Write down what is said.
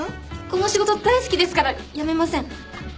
この仕事大好きですから辞めません。